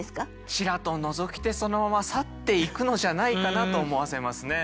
ちらと覗きてそのまま去っていくのじゃないかなと思わせますね。